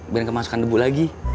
biarin kemasukan debu lagi